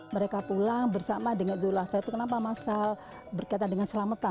mereka pulang bersama dengan idul adha itu kenapa masal berkaitan dengan selamatan